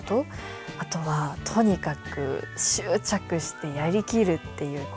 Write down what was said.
あとはとにかく執着してやりきるっていうこと。